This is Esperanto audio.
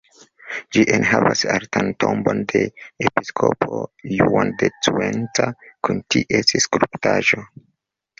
Ĝi enhavas artan tombon de episkopo Juan de Cuenca kun ties skulptaĵo.